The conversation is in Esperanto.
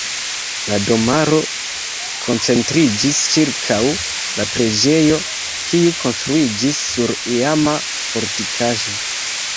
La domaro koncentriĝis ĉirkaŭ la preĝejo kiu konstruiĝis sur iama fortikaĵo.